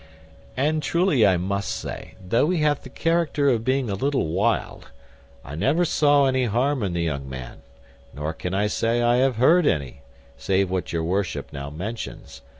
And truly I must say, though he hath the character of being a little wild, I never saw any harm in the young man; nor can I say I have heard any, save what your worship now mentions.